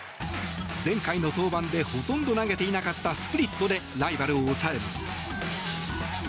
前回の登板で、ほとんど投げていなかったスプリットでライバルを抑えます。